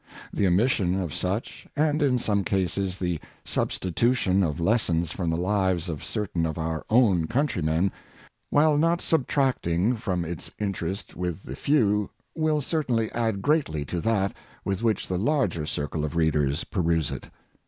The omission of such, and in some cases the substitution of lessons from the lives iv Preface, of certain of our own countrymen, while not subtract ing from its interest with the few, will certainly add greatly to that with which the larger circle of readers peruse it.